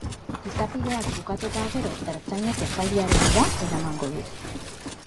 Izapideak bukatu eta gero, ertzainek epailearenera eramango dute.